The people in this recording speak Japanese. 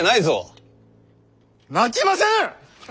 泣きませぬ！